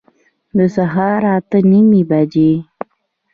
د سهار اته نیمي بجي